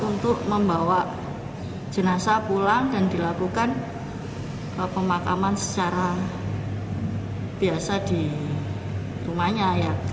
untuk membawa jenazah pulang dan dilakukan pemakaman secara biasa di rumahnya